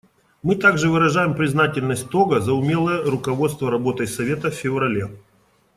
Мы также выражаем признательность Того за умелое руководство работой Совета в феврале.